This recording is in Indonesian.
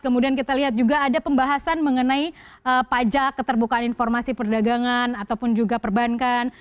kemudian kita lihat juga ada pembahasan mengenai pajak keterbukaan informasi perdagangan ataupun juga perbankan